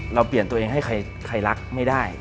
เราเปลี่ยนตัวเองให้ใครรักไม่ได้